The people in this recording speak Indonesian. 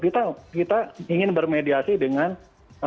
kita ingin bermediasi dengan menurut anda